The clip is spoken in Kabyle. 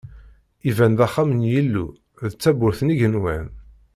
Iban d axxam n Yillu, d tabburt n igenwan.